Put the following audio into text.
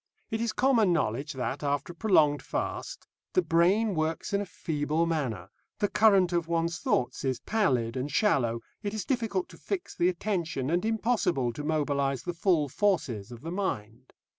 It is common knowledge that, after a prolonged fast, the brain works in a feeble manner, the current of one's thoughts is pallid and shallow, it is difficult to fix the attention and impossible to mobilise the full forces of the mind.